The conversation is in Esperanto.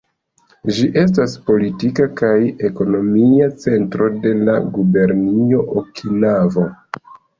Ĝi estas politika kaj ekonomia centro de la Gubernio Okinavo.